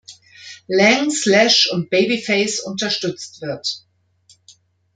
Lang, Slash und Babyface unterstützt wird.